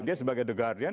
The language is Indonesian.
dia sebagai the guardian